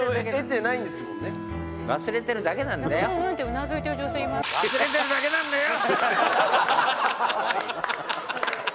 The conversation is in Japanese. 「忘れてるだけなんだよ」